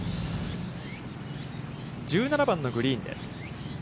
１７番のグリーンです。